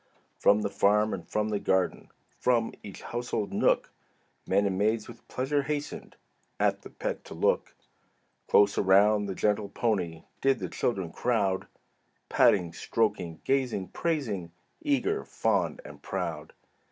From the farm and from the garden, From each household nook, Men and maids with pleasure hastened At the pet to look. Close around the gentle pony Did the children crowd, Patting, stroking, gazing, praising, Eager, fond, and proud.